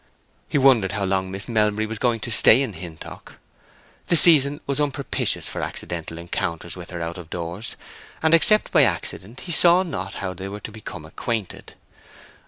He wondered how long Miss Melbury was going to stay in Hintock. The season was unpropitious for accidental encounters with her out of doors, and except by accident he saw not how they were to become acquainted.